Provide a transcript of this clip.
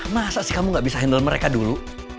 masa sih kamu gak bisa handle mereka dulu